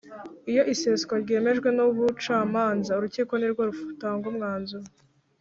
Iyo iseswa ryemejwe nubucamanza urukiko nirwo rutanga umwanzuro